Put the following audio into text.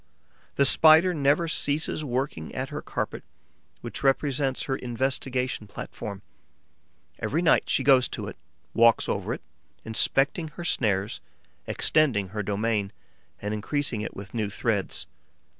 The Spider never ceases working at her carpet, which represents her investigation platform. Every night she goes to it, walks over it, inspecting her snares, extending her domain and increasing it with new threads.